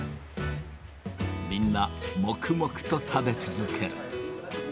みんな黙々と食べ続ける。